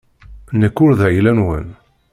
Nekk ur d ayla-nwen.